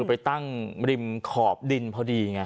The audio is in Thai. ไปตั้งริมขอบดินพอดีไง